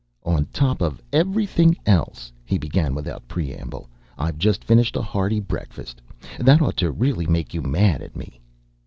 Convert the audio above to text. "On top of everything else," he began without preamble, "I've just finished a hearty breakfast. That ought to really make you mad at me."